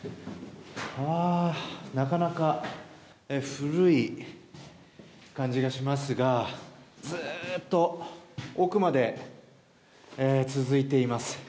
なかなか古い感じがしますがずっと奥まで続いています。